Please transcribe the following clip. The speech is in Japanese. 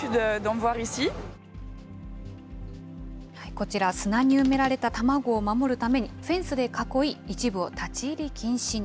こちら、砂に埋められた卵を守るために、フェンスで囲い、一部を立ち入り禁止に。